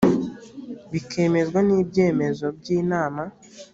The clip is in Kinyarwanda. bikemezwa n’ibyemezo by’inama